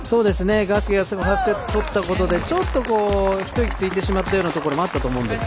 ガスケがファーストセットとったところでちょっと一息ついてしまったようなところもあったと思うんですが。